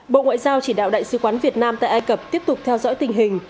bộ ngoại giao chỉ đạo đại sứ quán việt nam tại ai cập tiếp tục theo dõi tình hình